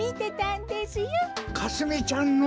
かすみちゃんの！？